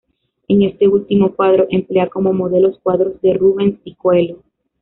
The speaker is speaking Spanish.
En este último cuadro emplea como modelos cuadros de Rubens y Coello.